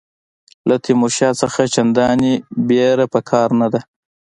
له تیمورشاه څخه چنداني وېره په کار نه ده.